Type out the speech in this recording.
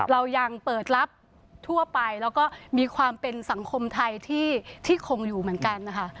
เรายังเปิดรับทั่วไปแล้วก็มีความเป็นสังคมไทยที่คงอยู่เหมือนกันนะคะ